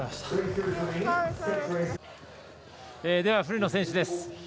では、古野選手です。